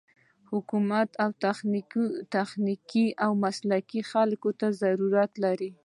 حکومت و تخنيکي او مسلکي خلکو ته ضرورت لري.